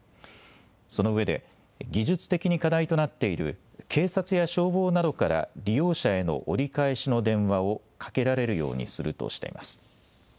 そのうえで技術的に課題となっている警察や消防などから利用者への折り返しの電話をかけられるようにするとしています。